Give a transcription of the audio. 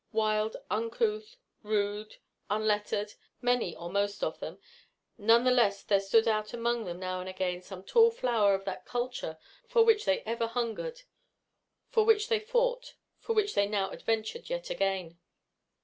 Wild, uncouth, rude, unlettered, many or most of them, none the less there stood among them now and again some tall flower of that culture for which they ever hungered; for which they fought; for which they now adventured yet again.